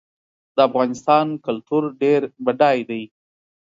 د افغانستان کلتور ډېر بډای دی.